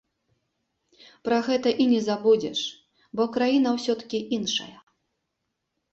Пра гэта і не забудзеш, бо краіна ўсё-ткі іншая.